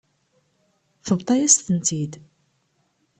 Tebḍa-yas-tent-id.